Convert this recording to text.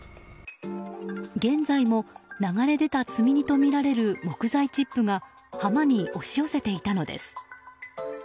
現在も流れ出た積み荷とみられる木材チップが浜に押し寄せていたのです。